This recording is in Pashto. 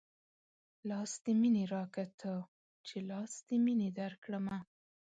لاس د مينې راکه تۀ چې لاس د مينې درکړمه